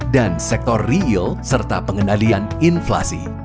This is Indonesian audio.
dan sektor real serta pengendalian inflasi